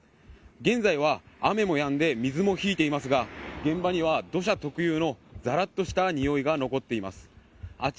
現在は雨もやんで水も引いていますが現場には土砂特有のざらっとしたにおいが残っています。